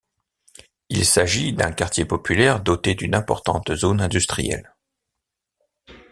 Il s'agit d'un quartier populaire doté d'une importante zone industrielle.